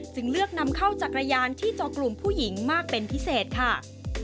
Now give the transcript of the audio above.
จึงเลือกนำเข้าจักรยานที่จอกลุ่มผู้หญิงมากเป็นพิเศษค่ะ